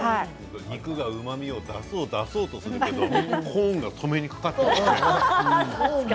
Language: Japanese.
肉がうまみを出そう出そうとするけれどもコーンが止めにかかっているよね。